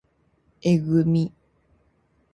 えぐみ